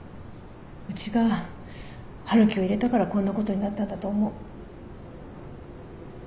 うちが陽樹を入れたからこんなことになったんだと思う。